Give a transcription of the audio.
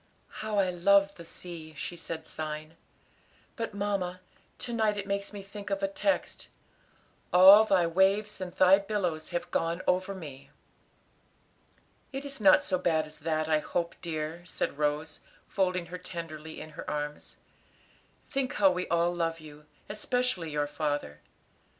"How I love the sea," she said, sighing, "but, mamma, to night it makes me think of a text 'All Thy waves and Thy billows have gone over me.'" "It is not so bad as that, I hope, dear," said Rose, folding her tenderly in her arms; "think how we all love you, especially your father.